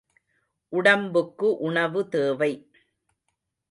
உடம்புக்கு உணவு தேவை.